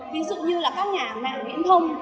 ví dụ như là các nhà mạng viễn thông